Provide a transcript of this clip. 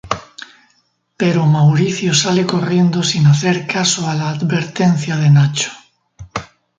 Pero Mauricio sale corriendo sin hacer caso a la advertencia de Nacho.